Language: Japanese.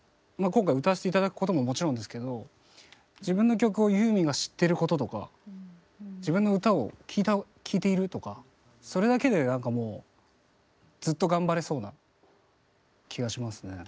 今回歌わして頂くことももちろんですけど自分の曲をユーミンが知ってることとか自分の歌を聴いているとかそれだけでなんかもうずっと頑張れそうな気がしますね。